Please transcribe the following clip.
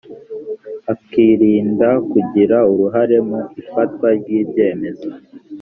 akirinda kugira uruhare mu ifatwa ry’ ibyemezo